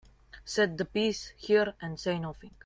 Set the piece here and say nothing.